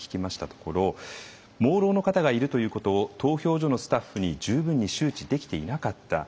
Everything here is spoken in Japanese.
ところ「盲ろうの方がいるということを投票所のスタッフに十分に周知できていなかった」。